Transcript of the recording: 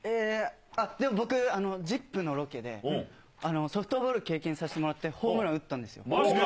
でも僕、ＺＩＰのロケで、ソフトボール経験させてもらって、ホームラン打ったんですよ。